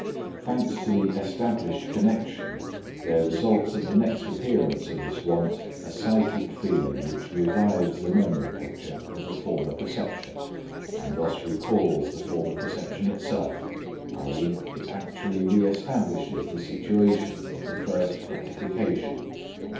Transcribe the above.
Thanks to the established connection, there results at the next appearance of this want a psychic feeling which revives the memory picture of the former perception, and thus recalls the former perception itself, i.e. it actually re establishes the situation of the first gratification.